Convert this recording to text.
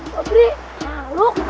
sobri ya luk